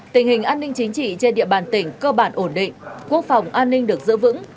tình hình an ninh chính trị trên địa bàn tỉnh cơ bản ổn định quốc phòng an ninh được giữ vững